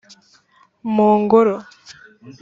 mu ngoro